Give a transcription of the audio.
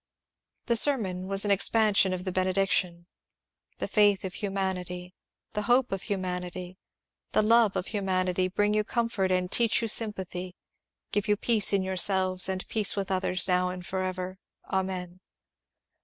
The sermon was an expansion of the benediction: — The Faith of Humanity, The Hope of Humanity, The Love of Humanity, Bring you comfort, and teach you sympathy, give you peace in yourselves and peace with others, now and forever. Amen.